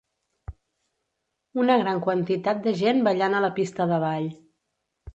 Una gran quantitat de gent ballant a la pista de ball.